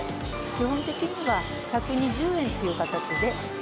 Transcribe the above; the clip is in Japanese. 基本的には１２０円という形で。